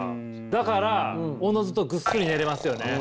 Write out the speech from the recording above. だからおのずとグッスリ寝れますよね。